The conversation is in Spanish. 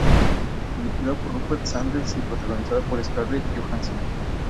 Dirigida por Rupert Sanders y protagonizada por Scarlett Johansson.